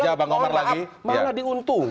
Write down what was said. keja bang omar lagi malah diuntung